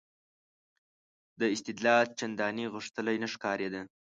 دا استدلال چندانې غښتلی نه ښکارېده.